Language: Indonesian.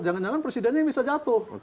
jangan jangan presidennya bisa jatuh